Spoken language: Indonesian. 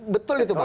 betul itu pak